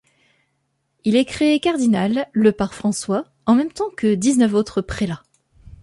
Il est créé cardinal le par François, en même temps que dix-neuf autres prélats.